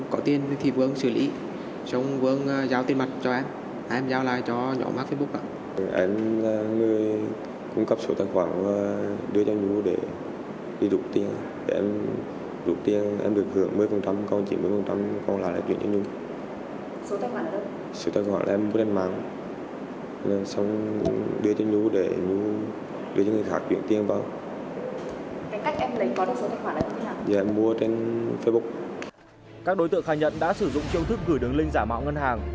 các đối tượng khai nhận đã sử dụng chiêu thức gửi đứng linh giả mạo ngân hàng